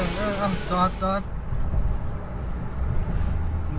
ไม่รู้สึกแบบมันหรอก